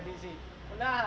dianggapnya ini lebih modern